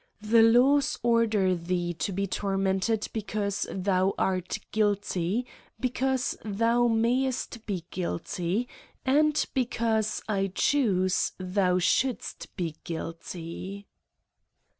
The laws 9rder thee to be tormented because thou art guilty^ btcause thou mayest be guilty^ and because I choose thou shouldst be guilty.